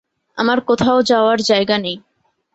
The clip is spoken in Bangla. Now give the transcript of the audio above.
আমার কোথাও যাওয়ার জায়গা নেই।